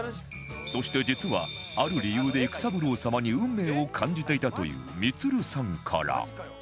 そして実はある理由で育三郎様に運命を感じていたという３２６さんから